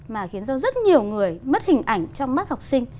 mà khiến cho rất nhiều người mất hình ảnh trong mắt học sinh